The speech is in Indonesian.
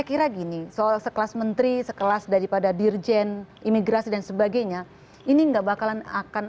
kira gini soal sekelas menteri sekelas daripada dirjen imigrasi dan sebagainya ini enggak bakalan akan